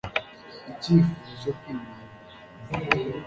Icyifuzo cyo kwinginga